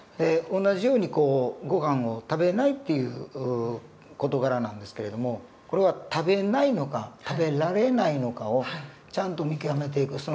同じようにごはんを食べないっていう事柄なんですけれどもこれは食べないのか食べられないのかをちゃんと見極めていく。